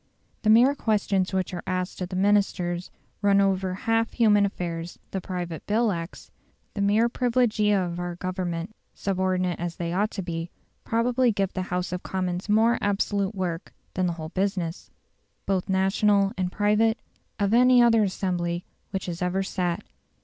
The mere questions which are asked of the Ministers run over half human affairs; the Private Bill Acts, the mere privilegia of our Government subordinate as they ought to be probably give the House of Commons more absolute work than the whole business, both national and private, of any other assembly which has ever sat.